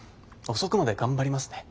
遅くまで頑張りますね。